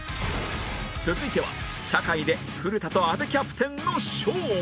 続いては社会で古田と阿部キャプテンの勝負